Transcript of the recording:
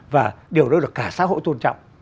và điều đó được cả xã hội tôn trọng